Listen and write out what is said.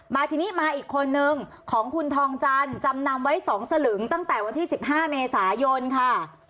มาทีนี้มาอีกคนนึงของคุณทองจันทร์จำนำไว้๒สลึงตั้งแต่วันที่๑๕เมษายนค่ะ